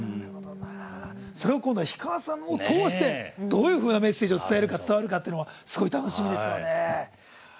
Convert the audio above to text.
それを、今度氷川さんを通してどういうふうなメッセージが伝わるかというのはすごい楽しみですよね。